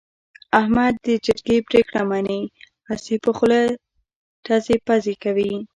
احمد د جرگې پرېکړه مني، هسې په خوله ټزې پزې کوي.